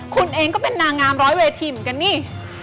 คุณเองก็เป็นนางงามร้อยเวทีเหมือนกันนี่